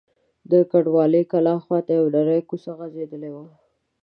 د کنډوالې کلا خواته یوه نرۍ کوڅه غځېدلې وه.